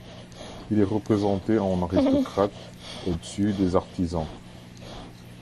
Il est représenté en aristocrate, au-dessus des artisans.